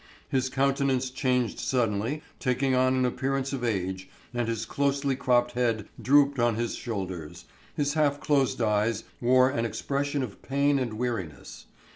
His countenance changed suddenly, taking on an appearance of age, and his closely cropped head drooped on his shoulders; his half closed eyes wore an expression of pain and weariness.